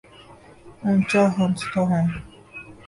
اونچا ہنستا ہوں